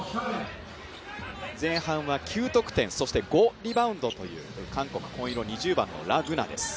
前半は９得点、そして５得点という、韓国、紺色、２０番のラ・ゴナです。